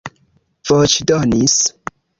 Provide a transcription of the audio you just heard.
voĉdonis